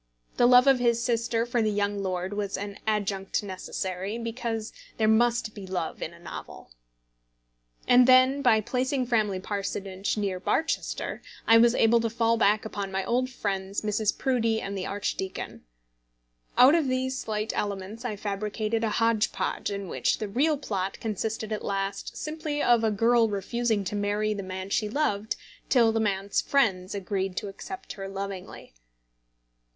The love of his sister for the young lord was an adjunct necessary, because there must be love in a novel. And then by placing Framley Parsonage near Barchester, I was able to fall back upon my old friends Mrs. Proudie and the archdeacon. Out of these slight elements I fabricated a hodge podge in which the real plot consisted at last simply of a girl refusing to marry the man she loved till the man's friends agreed to accept her lovingly.